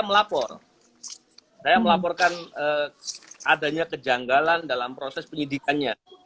melaporkan saya melaporkan adanya kejanggalan dalam proses penyidikannya